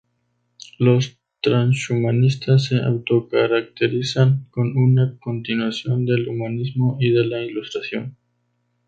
Los transhumanistas se auto-caracterizan como una continuación del humanismo y de la Ilustración.